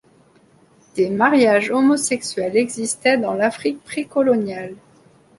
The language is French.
Des mariages homosexuels existaient dans l’Afrique pré-coloniale.